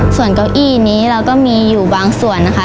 ส่วนเก้าอี้นี้เราก็มีอยู่บางส่วนนะคะ